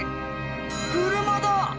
車だ。